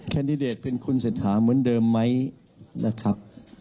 แคนดิเดตเป็นคุณเศรษฐาเหมือนเดิมไหมนะครับ